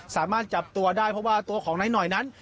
สามารถจับตัวได้เพราะว่าตัวของนายหน่อยนั้น